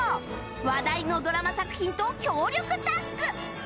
話題のドラマ作品と強力タッグ！